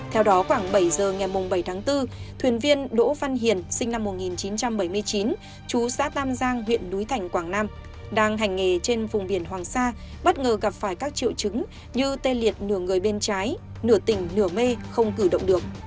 theo đó khoảng bảy giờ ngày bảy tháng bốn thuyền viên đỗ văn hiền sinh năm một nghìn chín trăm bảy mươi chín chú xã tam giang huyện núi thành quảng nam đang hành nghề trên vùng biển hoàng sa bất ngờ gặp phải các triệu chứng như tê liệt nửa người bên trái nửa tỉnh nửa mê không cử động được